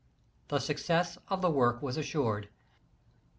Tlie success of the work was assured.